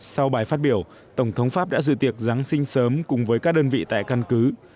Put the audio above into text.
sau bài phát biểu tổng thống pháp đã dự tiệc giáng sinh sớm cùng với các đơn vị tại căn cứ